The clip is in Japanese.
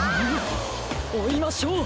おいましょう！